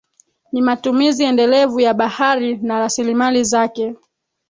Ni matumizi endelevu ya bahari na rasilimali zake